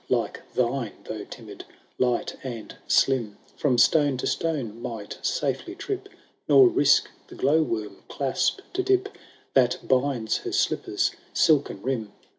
Like thine, though timid, light, and slim. From stone to stone might safely trip, Nor risk the glow worm clasp to dip That binds her slipper^s silken rim.